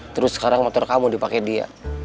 terus sekarang motor kamu dipakai dia